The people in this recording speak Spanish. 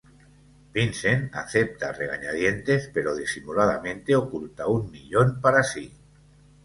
Vincent acepta a regañadientes, pero disimuladamente oculta un millón para sí.